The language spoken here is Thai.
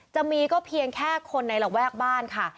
จะมีก็เพียงแค่คนในระแวกบ้านค่ะ